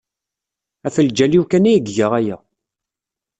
Ɣef ljal-iw kan ay iga aya.